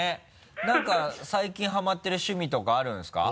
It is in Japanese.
なんか最近ハマってる趣味とかあるんですか？